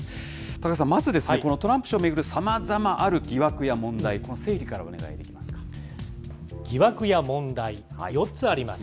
高橋さん、まずトランプ氏を巡るさまざまある疑惑や問題、整理からお願いで疑惑や問題、４つあります。